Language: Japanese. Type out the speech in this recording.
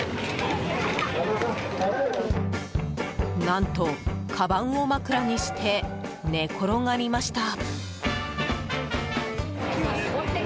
何と、かばんを枕にして寝転がりました。